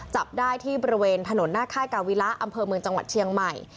จับได้ที่บริเวณถนนหน้าค่ายกาวิระอำเภอเมืองจังหวัดเชียงใหม่